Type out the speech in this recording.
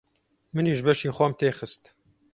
منیش بەشی خۆم تێ خست.